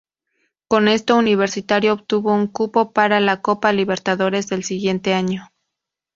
Con esto, Universitario obtuvo un cupo para la Copa Libertadores del siguiente año.